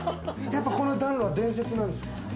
やっぱこの暖炉は伝説なんですか？